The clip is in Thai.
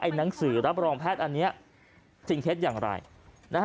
ไอ้หนังสือรับรองแพทย์อันนี้สิ่งเคล็ดอย่างไร